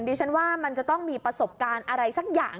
ดิฉันว่ามันจะต้องมีประสบการณ์อะไรสักอย่าง